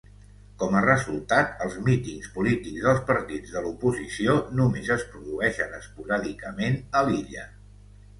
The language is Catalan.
Com a resultat, els mítings polítics dels partits de l'oposició només es produeixen esporàdicament a l'illa.